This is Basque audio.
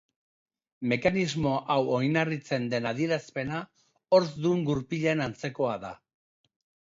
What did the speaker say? Mekanismo hau oinarritzen den adierazpena horzdun gurpilen antzekoa da.